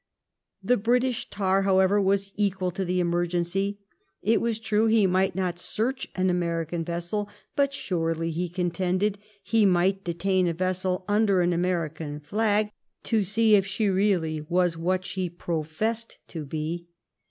The British tar, however, was equal to the emergency ; it was true he might not search an American vessel^ but surely, he contended, he mi&fht detain a vessel under an American flag to see if she really was what she pro fessed to be.